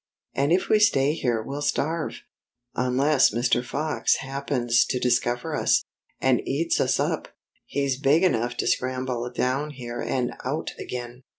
"And if we stay here we'll starve?" " Unless Mr. Fox happens to discover us, and eats us up. He's big enough to scramble down here and out again."